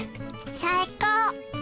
最高。